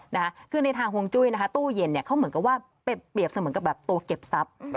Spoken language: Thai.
นะคะคือในทางฮวงจุ้ยนะคะตู้เย็นเนี่ยเขาเหมือนกับว่าเปรียบเสมือนกับแบบตัวเก็บทรัพย์